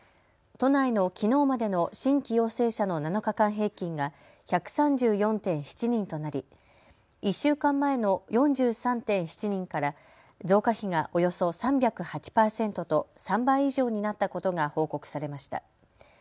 都内のきのうまでの新規陽性者の７日間平均が１３４．７人となり、１週間前の４３．７人から増加比がおよそ３０８％と３倍以上になったことが報告されました。